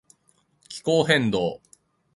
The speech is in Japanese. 気候変動